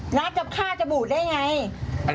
ล้างค์จับข้าวจะบูดได้ไง